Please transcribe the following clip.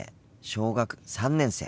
小学３年生。